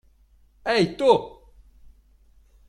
Ei, tu!